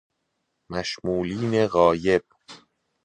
مشمولین غایب